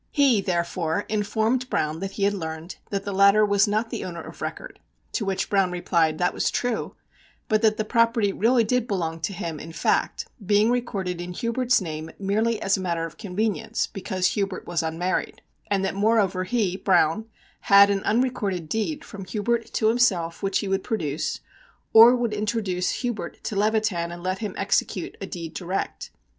He, therefore, informed Browne that he had learned that the latter was not the owner of record, to which Browne replied that that was true, but that the property really did belong to him in fact, being recorded in Hubert's name merely as a matter of convenience (because Hubert was unmarried), and that, moreover, he, Browne, had an unrecorded deed from Hubert to himself, which he would produce, or would introduce Hubert to Levitan and let him execute a deed direct.